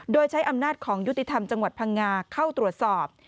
โดยใช้อำนาจของยุติธรรมจังหวัดพังงาเข้าตรวจสอบ